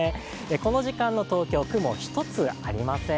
この時間の東京、雲一つありません